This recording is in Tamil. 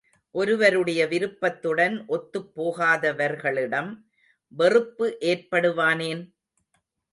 ஒருவருடைய விருப்பத்துடன் ஒத்துப் போகாதவர்களிடம் வெறுப்பு ஏற்படுவானேன்?